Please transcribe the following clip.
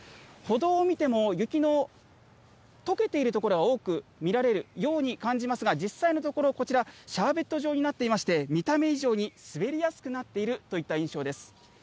歩道を見ても、雪のとけている所は多く見られるように感じますが、実際のところ、こちら、シャーベット状になっていまして、見た目以上に滑りやすくなっているといった印象です。